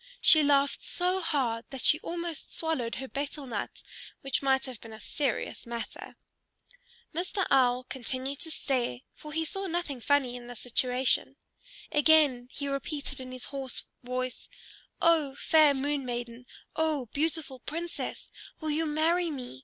She laughed so hard that she almost swallowed her betel nut, which might have been a serious matter. Mr. Owl continued to stare, for he saw nothing funny in the situation. Again he repeated in his hoarse voice, "O fair Moon Maiden, O beautiful Princess, will you marry me?